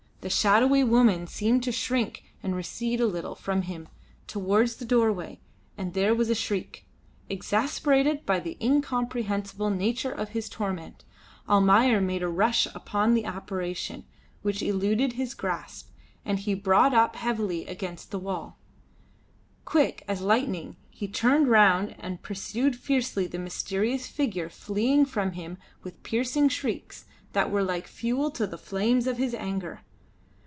The shadowy woman seemed to shrink and recede a little from him towards the doorway, and there was a shriek. Exasperated by the incomprehensible nature of his torment, Almayer made a rush upon the apparition, which eluded his grasp, and he brought up heavily against the wall. Quick as lightning he turned round and pursued fiercely the mysterious figure fleeing from him with piercing shrieks that were like fuel to the flames of his anger.